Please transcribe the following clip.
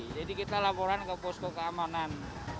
jadi kita laporan ke posko keamanan